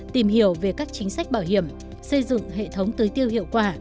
tìm hiểu về các chính sách bảo hiểm xây dựng hệ thống tưới tiêu hiệu quả